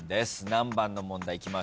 何番の問題いきましょう？